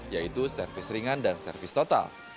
yaitu servis ringan dan servis total